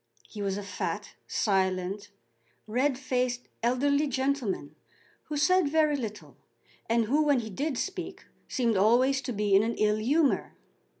He was a fat, silent, red faced, elderly gentleman, who said very little, and who when he did speak seemed always to be in an ill humour.